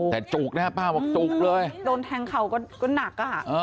แต่จุกนะครับป้าบอกจุกเลยโดนแทงเข่าก็หนักอ่ะ